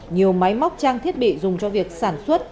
nhiều máy móc trang thiết bị dùng cho việc sản xuất